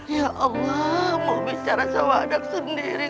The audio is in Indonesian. ya allah mau bicara sama adab sendiri